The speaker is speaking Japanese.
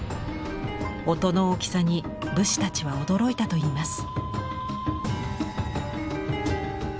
音の大きさに武士たちは驚いたといいます。